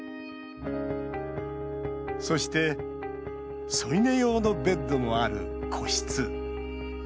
そして、添い寝用のベッドもある個室。